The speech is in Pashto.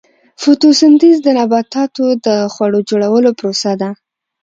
فوتوسنتیز د نباتاتو د خوړو جوړولو پروسه ده